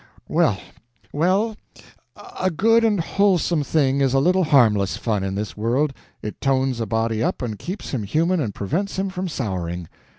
Well, well, a good and wholesome thing is a little harmless fun in this world; it tones a body up and keeps him human and prevents him from souring.